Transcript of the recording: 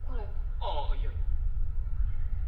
ああいやいや。